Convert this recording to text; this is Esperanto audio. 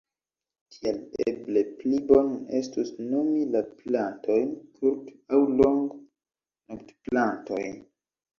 Tial eble pli bone estus nomi la plantojn kurt- aŭ long-noktplantoj.